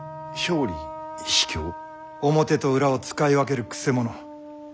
表と裏を使い分けるくせ者。